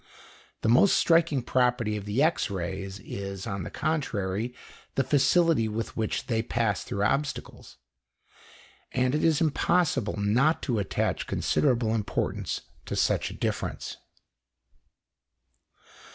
The most striking property of the X rays is, on the contrary, the facility with which they pass through obstacles, and it is impossible not to attach considerable importance to such a difference.